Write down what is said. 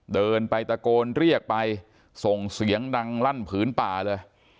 เดินไปตะโกนเรียกไปส่งเสียงดังลั่นผืนป่าเลย